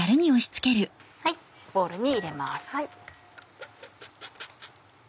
ボウルに入れます。